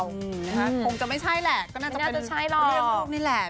คงจะไม่ใช่แหละก็น่าจะเป็นเรื่องรูปนี้แหละไม่น่าจะใช่หรอก